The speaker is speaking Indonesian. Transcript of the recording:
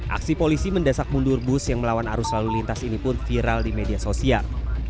aksi polisi mendesak mundur bus yang melawan arus lalu lintas ini pun viral di media sosial